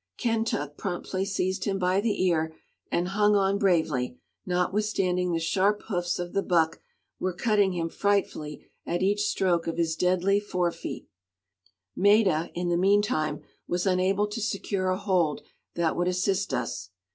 Kentuck promptly seized him by the ear and hung on bravely, notwithstanding the sharp hoofs of the buck were cutting him frightfully at each stroke of his deadly fore feet; Maida, in the mean time, was unable to secure a hold that would assist us.